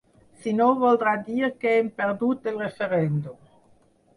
Si no, voldrà dir que hem perdut el referèndum.